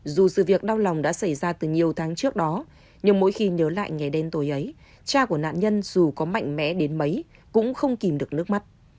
dù sự việc đau lòng đã xảy ra từ nhiều tháng trước đó nhưng mỗi khi nhớ lại ngày đêm tối ấy cha của nạn nhân dù có mạnh mẽ đến mấy cũng không kìm được nước mắt